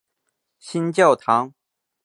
新教堂。